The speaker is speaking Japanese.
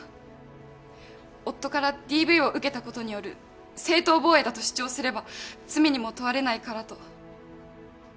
夫からＤＶを受けたことによる正当防衛だと主張すれば罪にも問われないからと。